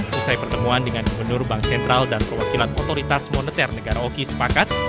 setelah pertemuan dengan gubernur bank sentral dan perwakilan otoritas moneter negara oki sepakat